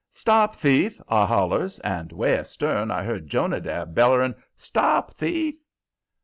"Stop thief!" I hollers, and 'way astern I heard Jonadab bellering: "Stop thief!"